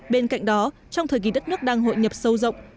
bên cạnh đó trong thời kỳ đất nước đang hội nhập sâu rộng